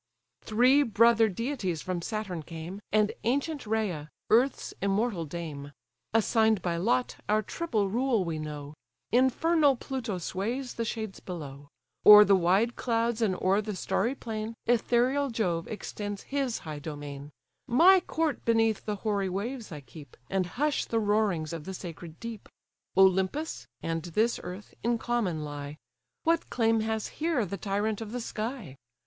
Three brother deities from Saturn came, And ancient Rhea, earth's immortal dame: Assign'd by lot, our triple rule we know; Infernal Pluto sways the shades below; O'er the wide clouds, and o'er the starry plain, Ethereal Jove extends his high domain; My court beneath the hoary waves I keep, And hush the roarings of the sacred deep; Olympus, and this earth, in common lie: What claim has here the tyrant of the sky?